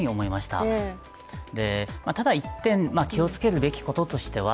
ただ一点気をつけるべきこととしては